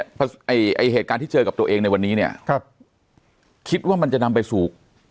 เพราะไอ้เหตุการณ์ที่เจอกับตัวเองในวันนี้เนี่ยครับคิดว่ามันจะนำไปสู่